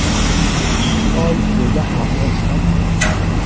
唔該，要一客鍋貼吖